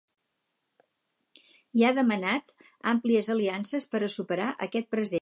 I ha demanat ‘àmplies aliances per a superar aquest present’.